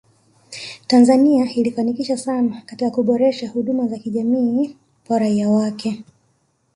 Tanzania ilifanikiwa sana katika kuboresha huduma za jamii kwa raia wake